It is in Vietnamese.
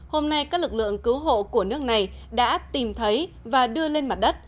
hôm nay các lực lượng cứu hộ của nước này đã tìm thấy và đưa lên mặt đất